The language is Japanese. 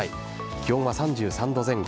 気温は３３度前後。